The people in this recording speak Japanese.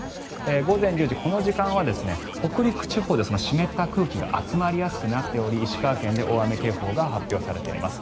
午前１０時、この時間は北陸地方で湿った空気が集まりやすくなっており石川県で大雨警報が発表されています。